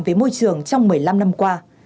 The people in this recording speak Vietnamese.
với môi trường trong một mươi năm năm qua